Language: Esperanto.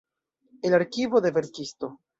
El arkivo de verkisto.